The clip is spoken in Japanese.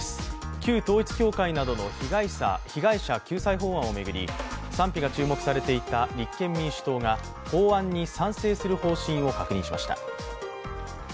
旧統一教会などの被害者救済法案を巡り賛否が注目されていた立憲民主党が法案に賛成する方針を確認しました。